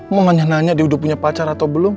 mau nanya nanya dia udah punya pacar atau belum